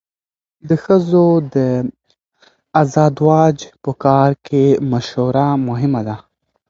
د ښځو د ازدواج په کار کې مشوره مهمه ده.